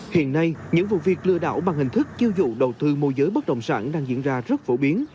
hiện nay những vụ việc lừa đảo bằng hình thức chiêu dụ đầu tư mô giới bất động sản đang diễn ra rất phổ biến